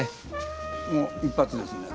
もう一発ですね。